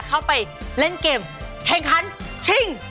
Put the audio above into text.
เข้าไปเล่นเกมแข่งขันชิง